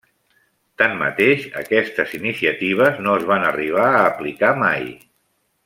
Tanmateix, aquestes iniciatives no es van arribar a aplicar mai.